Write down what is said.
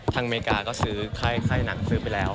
ทางอเมริกาก็ซื้อไข้หนังซื้อไปแล้ว